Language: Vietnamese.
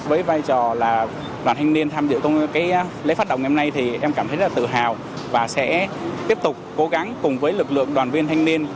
với vai trò là đoàn thanh niên tham dự lễ phát động ngày hôm nay thì em cảm thấy rất là tự hào và sẽ tiếp tục cố gắng cùng với lực lượng đoàn viên thanh niên